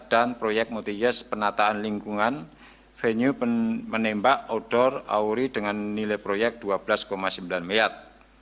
dan proyek multijes penataan lingkungan venue menembak outdoor auri dengan nilai proyek rp dua belas sembilan miliar